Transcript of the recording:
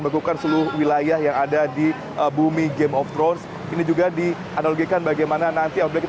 mengukuhkan seluruh wilayah yang ada di bumi game of thrones ini juga dianalogikan bagaimana nanti outbreak